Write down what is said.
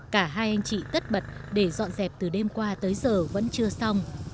cả hai anh chị tất bật để dọn dẹp từ đêm qua tới giờ vẫn chưa xong